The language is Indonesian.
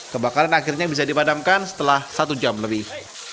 kebakaran akhirnya bisa dipadamkan setelah satu jam lebih